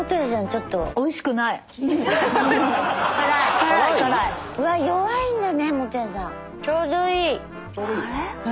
ちょうどいい。あれ？